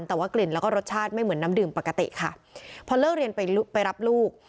แต่ว่ากลิ่นแล้วก็รสชาติไม่เหมือนน้ำดื่มปกติค่ะพอเลิกเรียนไปไปรับลูก